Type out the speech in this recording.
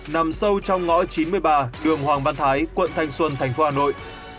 nằm sâu trong ngõ chín mươi ba đường hoàng văn thái quận thanh xuân thành phố hà nội